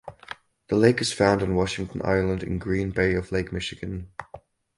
The lake is found on Washington Island in Green Bay of Lake Michigan.